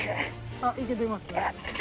あっいけてます。